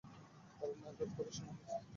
কারণ আঘাত করার সময় হইছে।